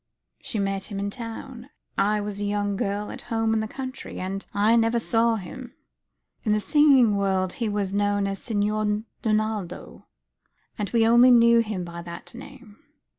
She met him in town. I was a young girl at home in the country, and I never saw him. In the singing world he was known as Signor Donaldo; and we only knew of him by that name."